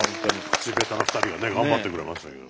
口下手な２人がね頑張ってくれましたけれども。